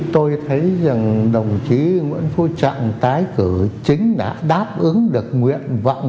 tôi thấy rằng đồng chí nguyễn phú trọng tái cử chính đã đáp ứng được nguyện vọng